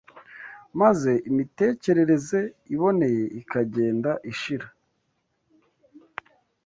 maze imitekerereze iboneye ikagenda ishira